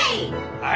はい。